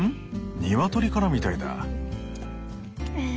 ニワトリからみたいだ。